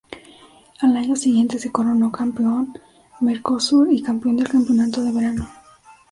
Al año siguiente se coronó Campeón Mercosur y Campeón del Campeonato de Verano.